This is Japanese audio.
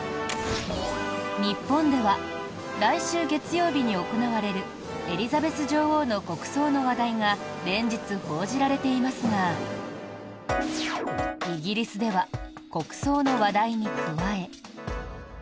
日本では、来週月曜日に行われるエリザベス女王の国葬の話題が連日報じられていますがイギリスでは国葬の話題に加え。